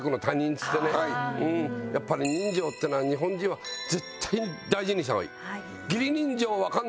やっぱり人情っていうのは日本人は絶対大事にした方がいい。